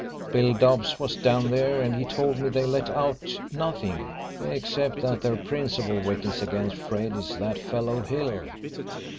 Bill Dobbs was down there and he told me they let out nothing, except that their principal witness against Fred is that fellow Hill.